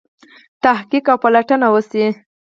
تحقیق او پلټنه وشي.